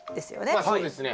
まあそうですねはい。